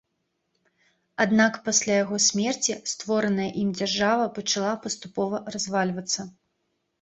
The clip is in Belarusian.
Аднак пасля яго смерці створаная ім дзяржава пачала паступова развальвацца.